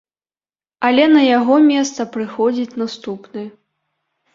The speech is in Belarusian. Але на яго месца прыходзіць наступны.